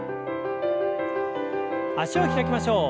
脚を開きましょう。